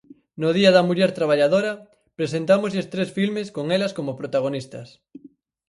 No Día da Muller Traballadora presentámoslles tres filmes con elas como protagonistas.